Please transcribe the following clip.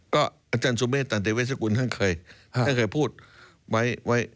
ก็อาจารย์ุเมตตันเขาเคยท่านเกิดพูดไว้